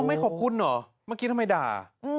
ไม่ขอบคุณเหรอเมื่อกี้ทำไมด่า